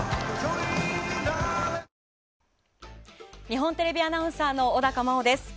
日本テレビアナウンサーの小高茉緒です。